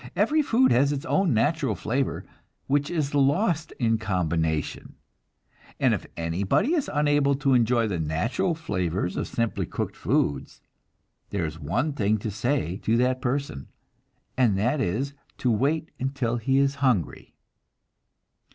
Every food has its own natural flavor, which is lost in combination, and if anybody is unable to enjoy the natural flavors of simply cooked foods, there is one thing to say to that person, and that is to wait until he is hungry.